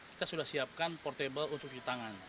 kita sudah siapkan portable untuk cuci tangan